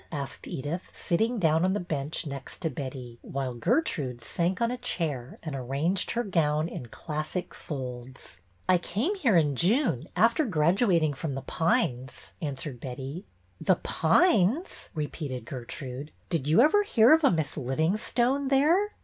" asked Edyth, sitting down on the bench next to Betty, while Gertrude sank on a chair and arranged her gown in classic folds. " I came here in June, after graduating from The Pines," answered Betty. '' The Pines !" repeated Gertrude. '' Did you ever hear of a Miss Livingstone there?"